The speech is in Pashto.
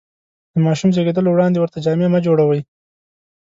د ماشوم زېږېدلو وړاندې ورته جامې مه جوړوئ.